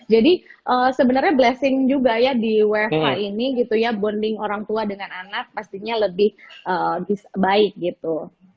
jadi sebenarnya blessing juga ya di wfh ini bonding orang tua dengan anak pastinya lebih baik gitu